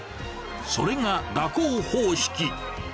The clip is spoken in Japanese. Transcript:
それが蛇行方式。